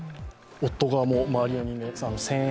夫側も周りの人間１０００円